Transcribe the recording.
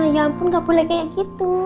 ya ampun nggak boleh kayak gitu